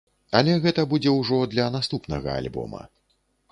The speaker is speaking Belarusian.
Але гэта будзе ўжо для наступнага альбома.